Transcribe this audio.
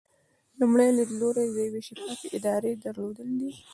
لومړی لیدلوری د یوې شفافې ادارې درلودل دي.